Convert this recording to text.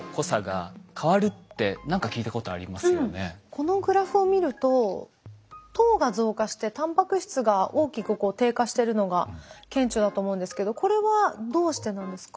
このグラフを見ると糖が増加してタンパク質が大きく低下してるのが顕著だと思うんですけどこれはどうしてなんですか？